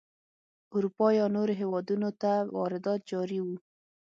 اروپا یا نورو هېوادونو ته واردات جاري وو.